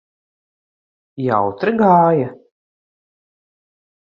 Jautri gāja?